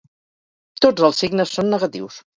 Tots els signes són negatius.